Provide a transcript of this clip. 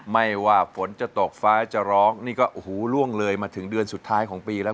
ไม่ว่าฝนจะตกฟ้าจะร้องนี่ก็โอ้โหล่วงเลยมาถึงเดือนสุดท้ายของปีแล้ว